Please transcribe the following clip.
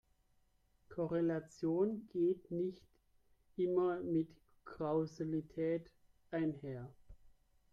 Korrelation geht nicht immer mit Kausalität einher.